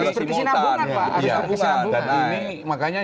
dan harus berkesinambungan pak